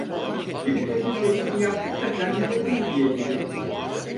Gemilerinin resmini yaptık da, kendilerine hediye edecektik!